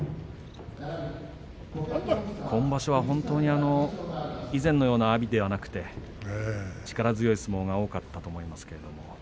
今場所は本当に以前のような阿炎ではなく力強い相撲が多かったと思います。